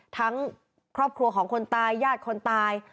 ทั้งครอบครัวของคนตายญาติคนตาย